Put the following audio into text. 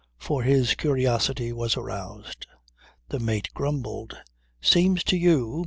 For his curiosity was aroused. The mate grumbled "Seems to you?